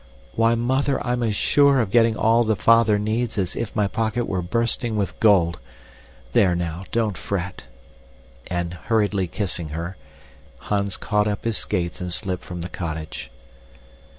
Why, Mother, I'm as SURE of getting all the father needs as if my pocket were bursting with gold. There, now, don't fret." And, hurriedly kissing her, Hans caught up his skates and slipped from the cottage.